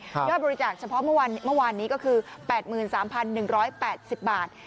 ยอดบริจาคเฉพาะเมื่อวานนี้ก็คือ๘๓๑๘๐บาท